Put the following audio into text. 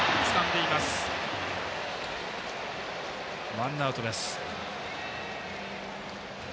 ワンアウトです。